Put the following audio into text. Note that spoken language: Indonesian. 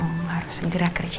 langsung harus segera kerja